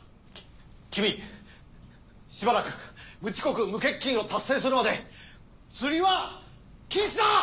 キミしばらく無遅刻無欠勤を達成するまで釣りは禁止だ！